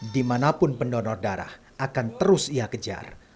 dimanapun pendonor darah akan terus ia kejar